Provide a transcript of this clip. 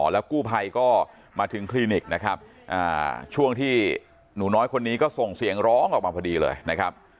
แล้วกู้ภัยก็มาถึงคลินิกนะครับช่วงที่หนูน้อยคนนี้ก็ส่งเสียงร้องออกมาพอดีเลยนะครับ